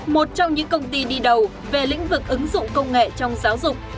một trong những công ty đi đầu về lĩnh vực ứng dụng công nghệ trong giáo dục